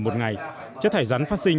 một ngày chất thải rắn phát sinh